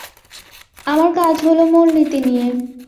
আমার কাজ হল মূলনীতি নিয়ে।